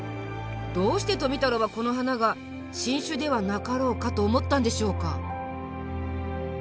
どうして富太郎はこの花が新種ではなかろうかと思ったんでしょうか？